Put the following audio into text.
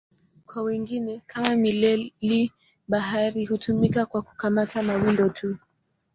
Kwa wengine, kama mileli-bahari, hutumika kwa kukamata mawindo tu.